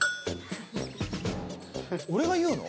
俺が言うの？